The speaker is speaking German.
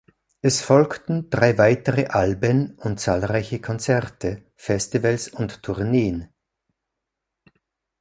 Es folgten drei weitere Alben und zahlreiche Konzerte, Festivals und Tourneen.